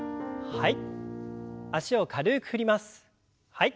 はい。